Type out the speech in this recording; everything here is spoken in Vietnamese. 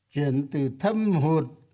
chuyển từ thâm hụt